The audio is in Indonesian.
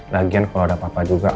lagian kalau ada apa apa juga